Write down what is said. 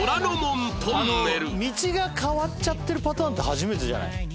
「道が変わっちゃってるパターンって初めてじゃない？」